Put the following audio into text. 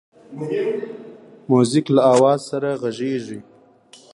موزیک له آواز سره غږیږي.